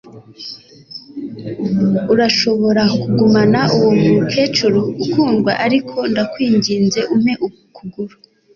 Urashobora kugumana uwo mukecuru ukundwa ariko ndakwinginze umpe ukuguru.